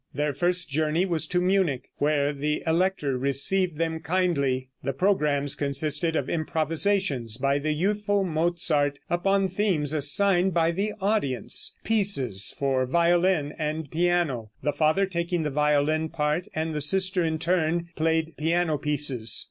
Their first journey was to Munich, where the elector received them kindly. The programmes consisted of improvisations by the youthful Mozart upon themes assigned by the audience; pieces for violin and piano, the father taking the violin part, and the sister in turn played piano pieces.